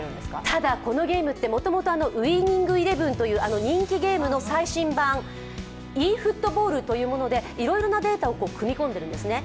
ただこのゲームってもともと「ウイニング１１」という人気ゲームの最新版、ｅＦｏｏｔｂａｌｌというものでいろいろなデータを組み込んでるんですね。